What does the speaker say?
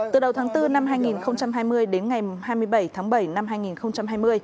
từ đầu tháng bốn năm hai nghìn hai mươi đến ngày hai mươi bảy tháng bảy năm hai nghìn hai mươi